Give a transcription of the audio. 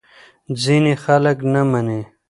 ځینې خلک نه مني.